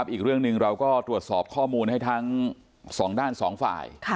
อีกเรื่องหนึ่งเราก็ตรวจสอบข้อมูลให้ทั้งสองด้านสองฝ่าย